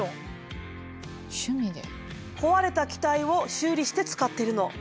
壊れた機体を修理して使ってるの。